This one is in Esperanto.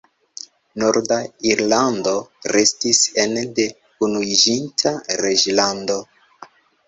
Norda Irlando restis ene de Unuiĝinta Reĝlando.